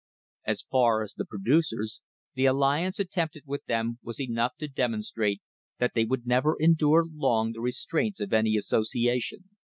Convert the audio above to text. As for :he producers, the alliance attempted with them was enough to demonstrate that they would never endure long the re straints of any association.